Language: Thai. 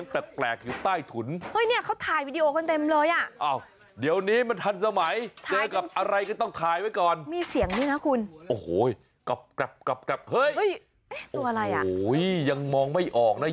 พอไปดูกันเยอะแบบนี้